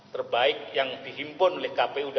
terbaik yang dihimpun oleh kpu